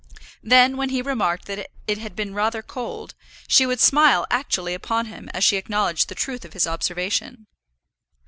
Then when he remarked that it had been rather cold, she would smile actually upon him as she acknowledged the truth of his observation.